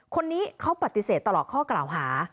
คนนี้เขาปฏิเสธตลอดข้อกล่าวหา